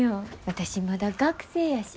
私まだ学生やし。